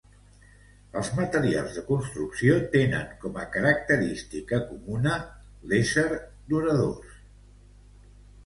Els materials de construcció tenen com a característica comuna l'ésser duradors.